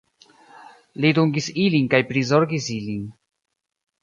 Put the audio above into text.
Li dungis ilin kaj prizorgis ilin.